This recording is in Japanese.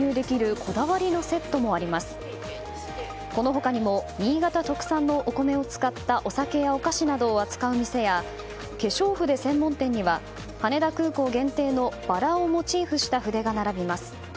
この他にも新潟特産のお米を使ったお酒やお菓子などを扱う店や化粧筆専門店には羽田空港限定のバラをモチーフにした筆が並びます。